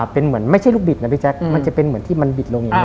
เป็นเหมือนไม่ใช่ลูกบิดนะพี่แจ๊คมันจะเป็นเหมือนที่มันบิดลงอย่างนี้